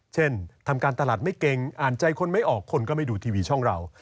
เช่นทำการตลาดไม่เก่งอ่านใจคนไม่ออกคนก็ไม่ดูทีวีช่องเรา